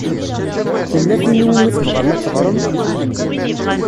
Tella tin i wumi tebɣam ad teɣṛem?